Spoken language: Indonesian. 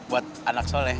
buat anak soleh